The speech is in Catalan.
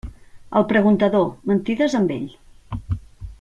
Al preguntador, mentides amb ell.